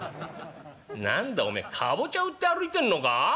「何だおめえかぼちゃ売って歩いてんのか？」。